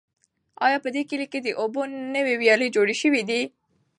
آیا په دې کلي کې د اوبو نوې ویاله جوړه شوې ده؟